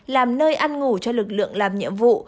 làm nơi ăn ngủ cho lực lượng làm nhiệm vụ